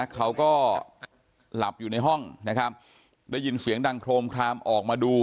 เขาก็หลับอยู่ในห้องนะครับได้ยินเสียงดังโครมคลามออกมาดู